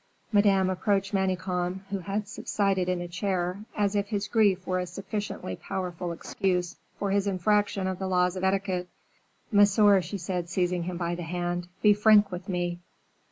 Madame approached Manicamp, who had subsided in a chair, as if his grief were a sufficiently powerful excuse for his infraction of the laws of etiquette. "Monsieur," she said, seizing him by the hand, "be frank with me."